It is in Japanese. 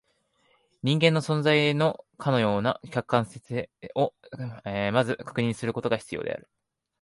人間の存在のかような客観性を先ず確認することが必要である。